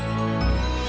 ini pon sekalian